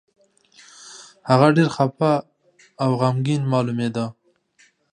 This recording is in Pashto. هغه ډېر خپه او غمګين مالومېده.